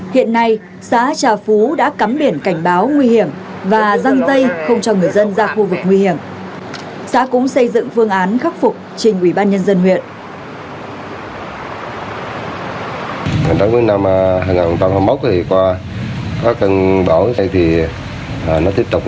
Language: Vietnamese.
hiện nay xã trà phú đã tự ý trồng keo bên bồi làm cho bên lở càng lở nhiều hơn